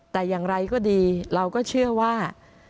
แต่อย่างไรก็ดีเราก็เชื่อว่า